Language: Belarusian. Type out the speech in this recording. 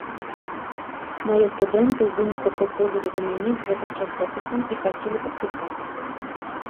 Мае студэнты ў выніку прыходзілі да мяне з гэтым часопісам і прасілі падпісаць.